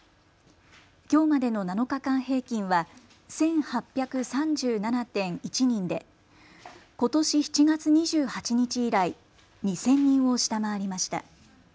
きょうまでの７日間平均は１８３７．１人でことし７月２８日以来、２０００人を下回りました。